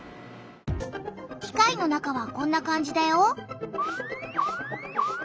機械の中はこんな感じだよ。